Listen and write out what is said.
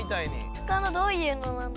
ほかのどういうのなんだろ？